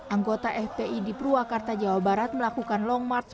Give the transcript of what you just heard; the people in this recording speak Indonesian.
anggota fpi di purwakarta jawa barat melakukan long march